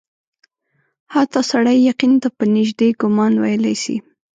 حتی سړی یقین ته په نیژدې ګومان ویلای سي.